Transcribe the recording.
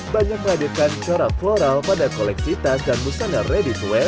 banyak meladirkan corak floral pada koleksi tas dan busanya reddit